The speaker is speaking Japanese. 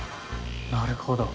なるほど。